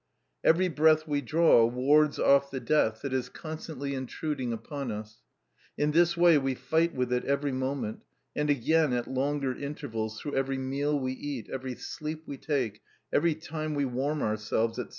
Every breath we draw wards off the death that is constantly intruding upon us. In this way we fight with it every moment, and again, at longer intervals, through every meal we eat, every sleep we take, every time we warm ourselves, &c.